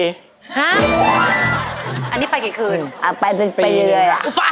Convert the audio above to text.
ฮะอันนี้ไปกี่คืนปีหนึ่งค่ะอุปะฮะ